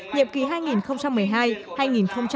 nhiệm kỳ hai nghìn một mươi hai hai nghìn một mươi bảy